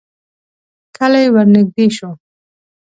کلی ورنږدې شو.